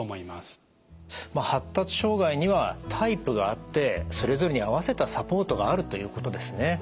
まあ発達障害にはタイプがあってそれぞれに合わせたサポートがあるということですね。